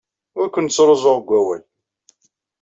Ur ken-ttruẓuɣ deg wawal.